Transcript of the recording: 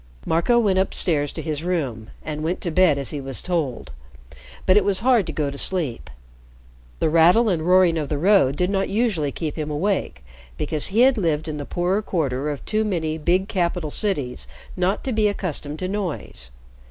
Marco went up stairs to his room and went to bed as he was told, but it was hard to go to sleep. The rattle and roaring of the road did not usually keep him awake, because he had lived in the poorer quarter of too many big capital cities not to be accustomed to noise.